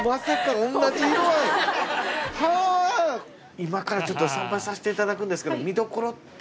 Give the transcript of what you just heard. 今からちょっと参拝させていただくんですけども。